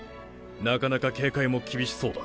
なかなか警戒も厳しそうだ。